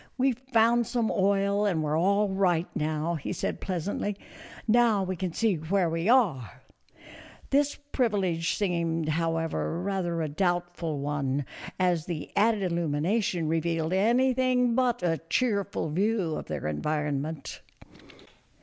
" We Ve found some oil and we 're all right now," he said, pleasantly. " Now we can see where we are." This privilege seemed, however, rather a doubt A FURNISHED COTTAGE BY THE SEA. 22Q ful one, as the added illumination revealed anything but a cheerful view of their environment.